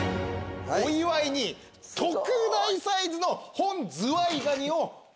お祝いに特大サイズの本ズワイガニをお持ちしました。